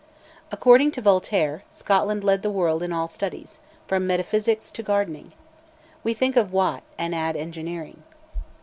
According to Voltaire, Scotland led the world in all studies, from metaphysics to gardening. We think of Watt, and add engineering.